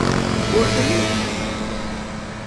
Ur d aya ay d-tenna.